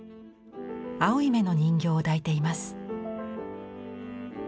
青い目の人形を抱いています。